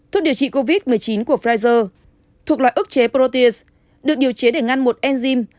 thuốc điều trị covid một mươi chín của pfizer thuộc loại ức chế prote được điều chế để ngăn một enzym